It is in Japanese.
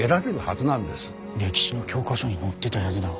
歴史の教科書に載ってたやづだ。